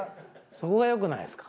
そこが良くないですか？